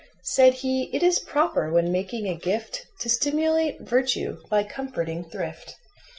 Said he: "It is proper, when making a gift, To stimulate virtue by comforting thrift."